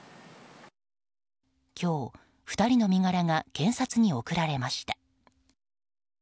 今日、２人の身柄が検察に送られました。